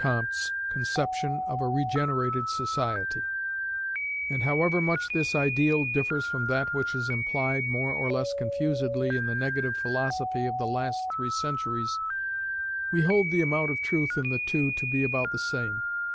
Comte's conception of a regenerated society; and however much this ideal differs from that which is implied more or less confusedly in the negative philosophy of the last three centuries, we hold the amount of truth in the two to be about the same.